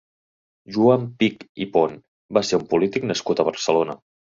Joan Pich i Pon va ser un polític nascut a Barcelona.